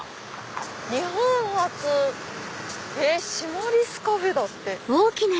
「日本初シマリスカフェ」だって。